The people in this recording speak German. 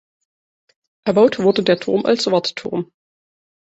Erbaut wurde der Turm als Wartturm.